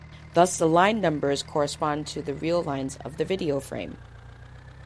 Thus the line numbers correspond to the real lines of the video frame.